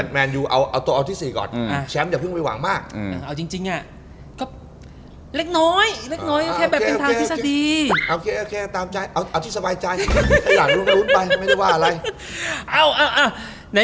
ไม่ได้ว่าอะไร